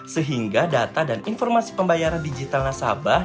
sehingga data dan informasi pembayaran digital nasabah